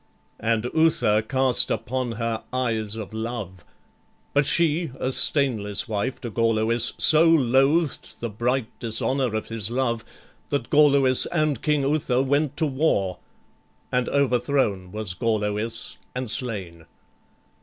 And Uther cast upon her eyes of love: But she, a stainless wife to Gorloïs, So loathed the bright dishonor of his love, That Gorloïs and King Uther went to war: And overthrown was Gorloïs and slain.